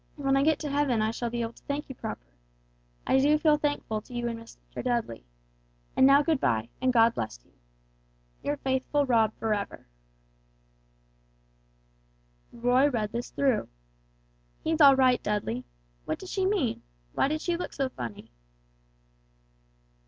When I get to heaven I shall be able to thank you proper. I do feel thankful to you and Master Dudley. And now good bye and God bless you. "Your faithful ROB forever." Roy read this through. "He's all right, Dudley. What did she mean? Why did she look so funny?"